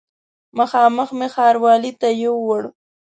مخامخ مې ښاروالي ته یووړ.